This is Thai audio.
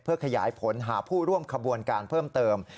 ขยายผลหาผู้ร่วมขบวนการเพิ่มเติม